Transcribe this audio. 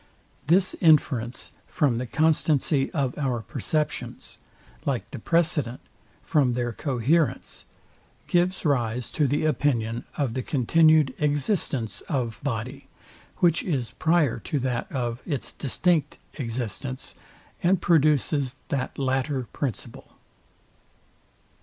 This inference from the constancy of our perceptions, like the precedent from their coherence, gives rise to the opinion of the continued existence of body, which is prior to that of its distinct existence, and produces that latter principle.